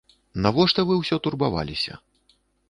Навошта вы ўсё турбаваліся?